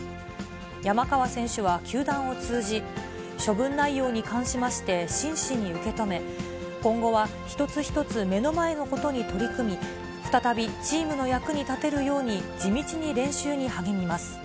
山川選手は球団を通じ、処分内容に関しまして、真摯に受け止め、今後は一つ一つ目の前のことに取り組み、再びチームの役に立てるように地道に練習に励みます。